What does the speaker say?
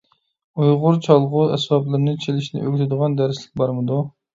ئۇيغۇر چالغۇ ئەسۋابلىرىنى چېلىشنى ئۆگىتىدىغان دەرسلىك بارمىدۇ؟